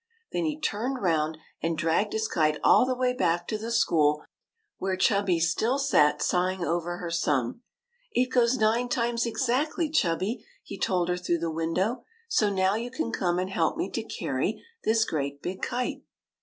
Then he turned round and dragged his kite all the way back to the school, where Chubby still sat sighing over her sum. " It goes nine times exactly. Chubby,'' he told her through the window; "so now you can come and help me to carry this great big kite."